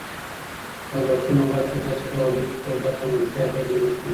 لګښتونه باید په داسې ډول وي چې پر ګټه منفي اغېز ونه کړي.